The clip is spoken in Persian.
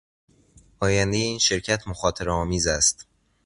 آیندهی این شرکت مخاطرهآمیز است.